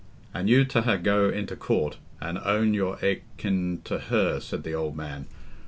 "An' you t' ha' to go into court, and own you're akin t' her," said the old man.